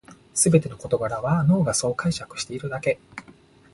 すべての事柄は脳がそう解釈しているだけ